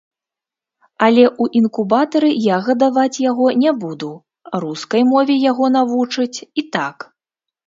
Але ў інкубатары я гадаваць яго не буду, рускай мове яго навучаць і так.